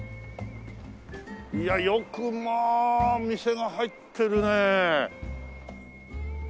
よくまあ店が入ってるね。